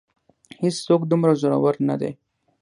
هېڅ څوک دومره زورور نه دی.